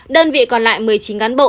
đơn vị còn lại một mươi chín cán bộ chiến sĩ